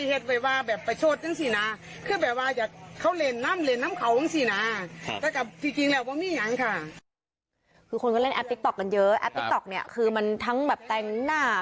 คือคนก็เล่นแอปติ๊กต๊อกกันเยอะแอปติ๊กต๊อกเนี่ยคือมันทั้งแบบแต่งหน้า